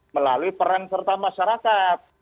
melalui peran serta masyarakat